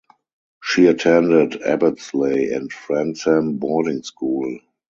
She attended Abbotsleigh and Frensham boarding school.